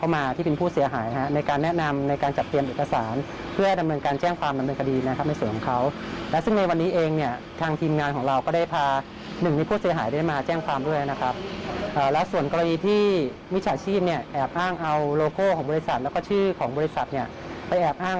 มิจฉาชีพเนี่ยแอบอ้างเอาโลโก้ของบริษัทแล้วก็ชื่อของบริษัทไปแอบอ้าง